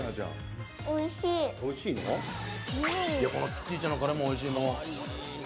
キティちゃんのカレーもおいしい。